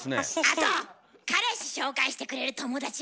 あと彼氏紹介してくれる友達もいる。